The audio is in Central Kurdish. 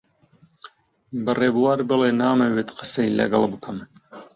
بە ڕێبوار بڵێ نامەوێت قسەی لەگەڵ بکەم.